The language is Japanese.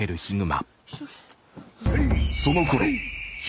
そのころ悲